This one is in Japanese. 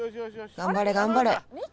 頑張れ頑張れ